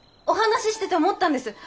お話ししてて思ったんです！